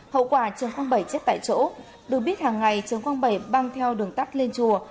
hậu quả trần quang bảy chết tại chỗ được biết hàng ngày trần quang bảy băng theo đường tắt lên chùa